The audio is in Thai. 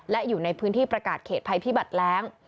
และอยู่ในพื้นที่ประกาศเขตภัยพิบัติแรง